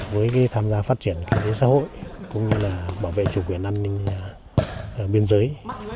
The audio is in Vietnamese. với tham gia phát triển kinh tế xã hội cũng như là bảo vệ chủ quyền an ninh biên giới